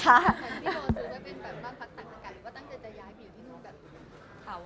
คุณพี่โดร์ซื้อจะเป็นบ้านพักต่างอากาศหรือว่าตั้งใจจะย้ายไปอยู่ที่หุ้นแบบถาวร